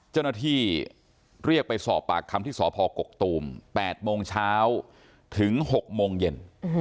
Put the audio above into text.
เจ้าหน้าที่เรียกไปสอบปากคำที่สอบภอกกกตูม๘โมงเช้าถึง๖โมงเย็น